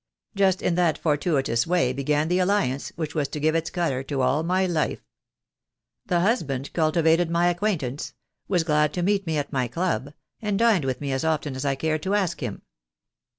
Just in that fortuitous way began the alliance which was to give its colour to all my life. The husband cultivated my acquaintance — was glad to meet me at my club — and dined with me as often as I cared to ask him.